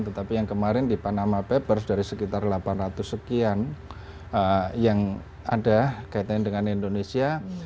tetapi yang kemarin di panama papers dari sekitar delapan ratus sekian yang ada kaitannya dengan indonesia